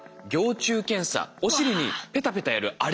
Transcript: お尻にペタペタやるあれ。